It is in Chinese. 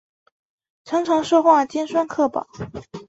常常说话尖酸刻薄